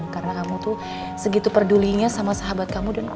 karena kamu tuh segitu pedulinya sama sahabat kamu dan aku